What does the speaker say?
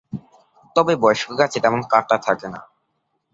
তবে বয়স্ক গাছে তেমন কাঁটা থাকে না।